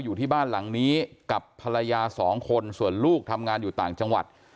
อยู่ที่บ้านหลังนี้กับภรรยาสองคนส่วนลูกทำงานอยู่ต่างจังหวัด